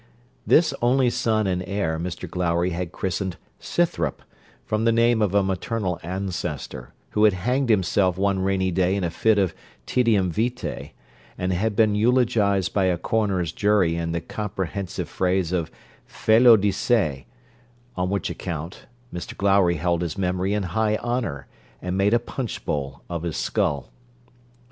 This only son and heir Mr Glowry had christened Scythrop, from the name of a maternal ancestor, who had hanged himself one rainy day in a fit of toedium vitae, and had been eulogised by a coroner's jury in the comprehensive phrase of felo de se; on which account, Mr Glowry held his memory in high honour, and made a punchbowl of his skull.